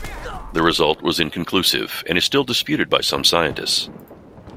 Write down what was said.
The result was inconclusive, and is still disputed by some scientists.